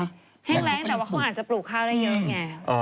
แต่ว่าเขาอาจจะปลูกข้าวได้เยอะไง